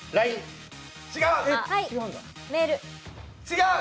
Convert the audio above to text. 違う。